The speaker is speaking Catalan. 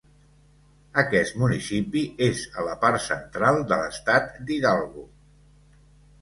Aquest municipi és a la part central de l'estat d'Hidalgo.